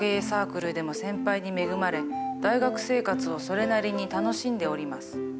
サークルでも先輩に恵まれ大学生活をそれなりに楽しんでおります。